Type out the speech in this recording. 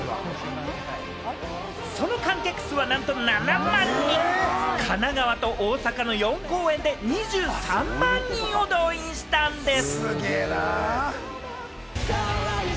その観客数はなんと７万人、神奈川と大阪の４公演で２３万人を動員したんです。